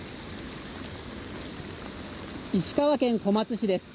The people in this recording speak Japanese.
石川県小松市です。